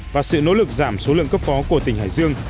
và sự nỗ lực giảm số lượng cấp phó của tỉnh hải dương